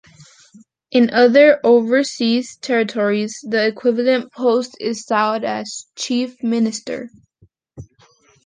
In other overseas territories the equivalent post is styled as Chief Minister.